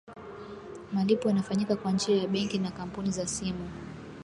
malipo yanafanyika kwa njia ya benki na kampuni za simu